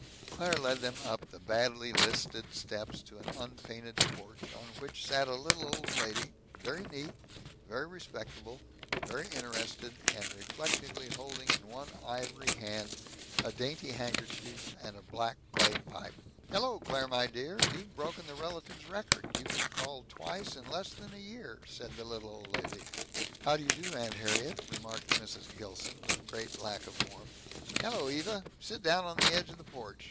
Claire led them up the badly listed steps to an unpainted porch on which sat a little old lady, very neat, very respectable, very interested, and reflectively holding in one ivory hand a dainty handkerchief and a black clay pipe. "Hello, Claire, my dear. You've broken the relatives' record you've called twice in less than a year," said the little old lady. "How do you do, Aunt Harriet," remarked Mrs. Gilson, with great lack of warmth. "Hello, Eva. Sit down on the edge of the porch.